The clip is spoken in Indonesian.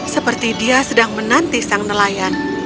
seperti dia sedang menanti sang nelayan